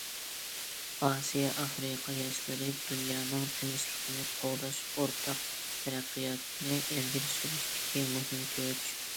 ئاسىيا ئافرىقا ياشلىرى دۇنيانىڭ تىنچلىقىنى قوغداش، ئورتاق تەرەققىياتنى ئىلگىرى سۈرۈشتىكى مۇھىم كۈچ.